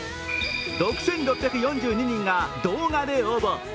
６６４２人が、動画で応募。